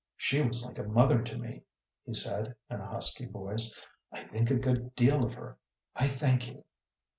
"She was like a mother to me," he said, in a husky voice. "I think a good deal of her. I thank you."